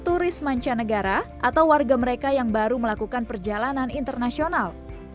turis mancanegara atau warga mereka yang baru melakukan perjalanan internasional